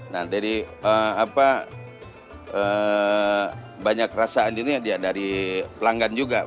nah jadi banyak rasaan ini dari pelanggan juga